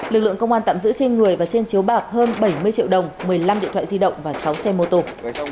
lực lượng công an tạm giữ trên người và trên chiếu bạc hơn bảy mươi triệu đồng một mươi năm điện thoại di động và sáu xe mô tô